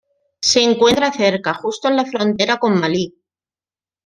Se encuentra cerca justo en la frontera con Malí.